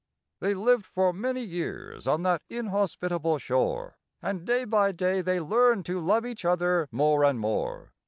They lived for many years on that inhospitable shore, And day by day they learned to love each other more and more.